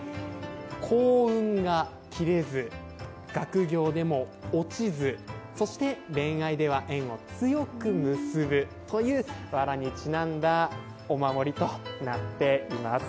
幸運が切れず、学業でも落ちず、そして恋愛では縁を強く結ぶというわらにちなんだお守りとなっています。